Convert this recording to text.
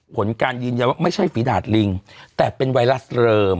ผลการยืนยันว่าไม่ใช่ฝีดาดลิงแต่เป็นไวรัสเริม